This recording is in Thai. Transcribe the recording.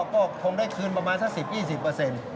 ก็คงได้คืนประมาณสัก๑๐๒๐เปอร์เซ็นต์